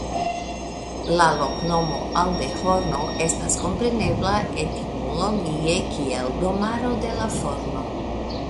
La loknomo "Aldehorno" estas komprenebla etimologie kiel Domaro de la Forno.